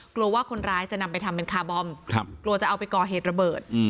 กลัวว่าคนร้ายจะนำไปทำเป็นคาร์บอมกลัวจะเอาไปก่อเหตุระเบิด